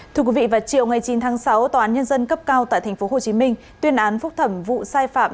thưa quý vị vào chiều ngày chín tháng sáu tòa án nhân dân cấp cao tại tp hcm tuyên án phúc thẩm vụ sai phạm